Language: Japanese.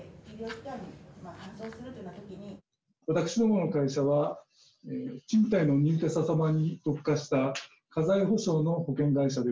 私どもの会社は賃貸の入居者様に特化した家財保証の保険会社でございまして。